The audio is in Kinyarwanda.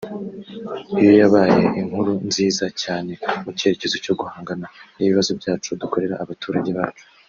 Iyo yabaye inkuru nziza cyane mu cyerekezo cyo guhangana n’ibibazo byacu dukorera abaturage bacu